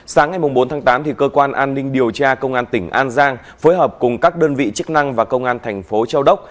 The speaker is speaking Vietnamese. sáng ngày bốn tháng tám cơ quan an ninh điều tra công an tỉnh an giang phối hợp cùng các đơn vị chức năng và công an thành phố châu đốc